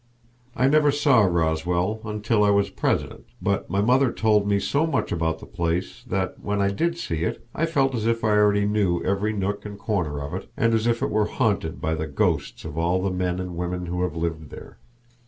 I never saw Roswell until I was President, but my mother told me so much about the place that when I did see it I felt as if I already knew every nook and corner of it, and as if it were haunted by the ghosts of all the men and women who had lived there.